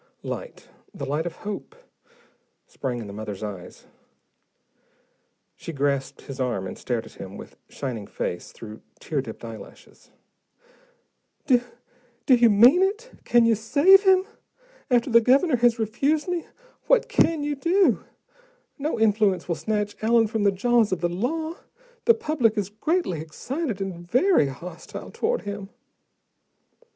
Light, the light of hope, sprang in the mother's eyes. She grasped his arm and stared at him with shining face, through tear dipped eyelashes. "Do do you mean it? Can you save him? After the Governor has refused me? What can you do? No influence will snatch Allen from the jaws of the law: the public is greatly excited and very hostile toward him."